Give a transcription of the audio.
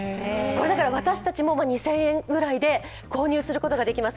私たちも２０００円ぐらいで購入することができます。